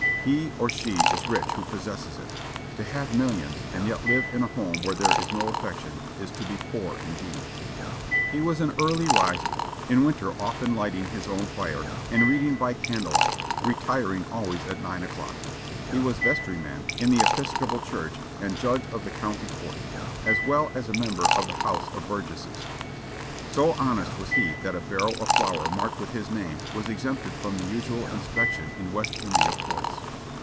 He or she is rich who possesses it. To have millions, and yet live in a home where there is no affection, is to be poor indeed. He was an early riser; in winter often lighting his own fire, and reading by candle light; retiring always at nine o'clock. He was vestryman in the Episcopal Church, and judge of the county court, as well as a member of the House of Burgesses. So honest was he that a barrel of flour marked with his name was exempted from the usual inspection in West India ports.